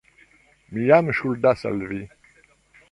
Mi jam ŝuldas al vi.